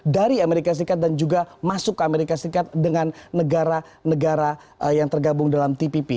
dari amerika serikat dan juga masuk ke amerika serikat dengan negara negara yang tergabung dalam tpp